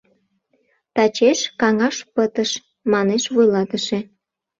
Тачеш каҥаш пытыш, — манеш вуйлатыше.